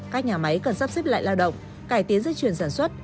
các nhà máy cần sắp xếp lại lao động cải tiến dây chuyển sản xuất